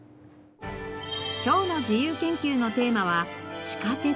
今日の自由研究のテーマは「地下鉄」。